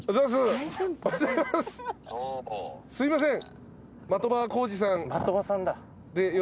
すいません。